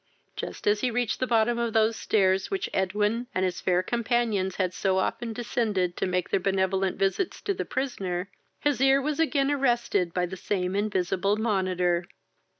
Just as he reached the bottom of those stairs which Edwin and his fair companions had so often descended to make their benevolent visits to the prisoner, his ear was again arrested by the same invisible monitor.